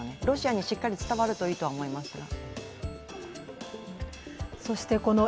ロシアにしっかり伝わるといいとは思います。